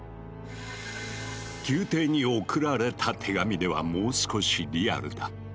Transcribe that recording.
宮廷に送られた手紙ではもう少しリアルだ。